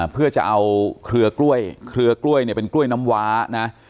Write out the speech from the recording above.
เพื่อจะเอาเครือกล้วยเครือกล้วยเนี่ยเป็นกล้วยน้ำว้านะ